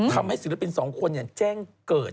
ทำให้ศิลปินสองคนเนี่ยแจ้งเกิด